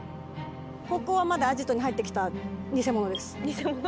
ここはまだアジトに入ってきた偽者です。